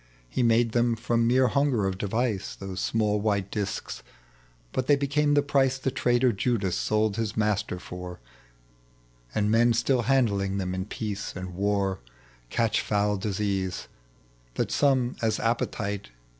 lie made them from rnere hunger of device, Those small white discs ; liut they became the price The traitor Jud^ sold his Master for ; And men still handling them in peace and war Cat«h foul disease, that comes as appetite.